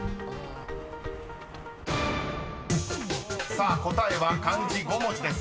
［さあ答えは漢字５文字です］